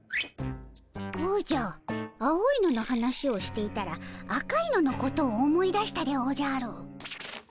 おじゃ青いのの話をしていたら赤いののことを思い出したでおじゃる。